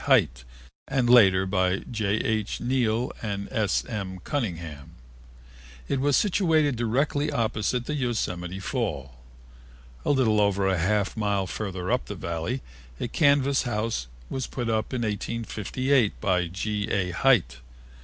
Hite and later by J. H. Neal and S. M. Cunningham. It was situated directly opposite the Yosemite Fall. A little over half a mile farther up the Valley a canvas house was put up in 1858 by G. A. Hite.